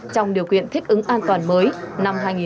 trong điều quyền thích ứng an toàn mới